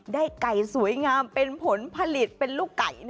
ได้ไก่สวยงามเป็นผลผลิตเป็นลูกไก่